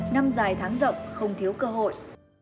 năm dài tháng rộng không thiếu cơ hội